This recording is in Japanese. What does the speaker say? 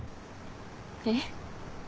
えっ？